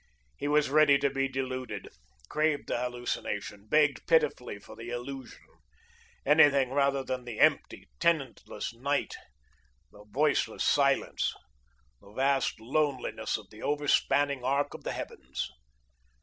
He was ready to be deluded; craved the hallucination; begged pitifully for the illusion; anything rather than the empty, tenantless night, the voiceless silence, the vast loneliness of the overspanning arc of the heavens.